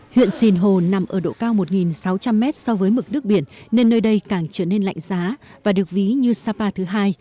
huyện sinh hồ nằm ở độ cao một sáu trăm linh mét so với mực nước biển nên nơi đây càng trở nên lạnh giá và được ví như sapa thứ hai